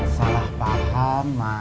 salah paham ma